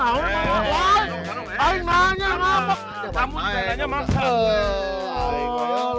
eh jangan jangan